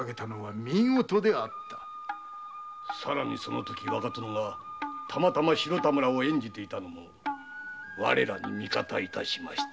更にその時若殿が『白田村』を演じていたのも我らに味方致しましたな。